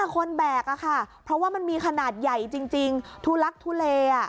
คนแบกค่ะเพราะว่ามันมีขนาดใหญ่จริงทุลักทุเล